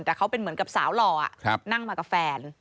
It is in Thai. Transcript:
แต่เขาเป็นเหมือนกับสาวหล่อนั่งมากับแฟน